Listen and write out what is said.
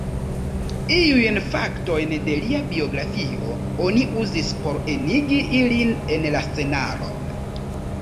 Iujn faktojn de lia biografio oni uzis por enigi ilin en la scenaron.